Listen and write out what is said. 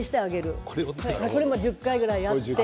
これも１０回ぐらいやって。